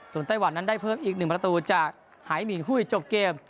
ไต้หวันนั้นได้เพิ่มอีก๑ประตูจากหายหมิ่งหุ้ยจบเกม